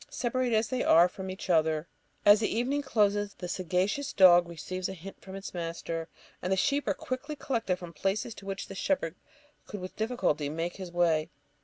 Separated as they are from each other, as the evening closes in the sagacious dog receives a hint from his master, and the sheep are quickly collected from places to which the shepherd could with difficulty make his way.